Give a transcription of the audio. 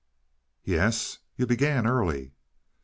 "Yes? You began early."